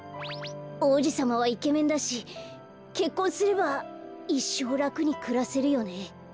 おうじさまはイケメンだしけっこんすればいっしょうらくにくらせるよね。